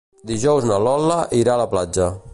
Dijous na Lola irà a la platja.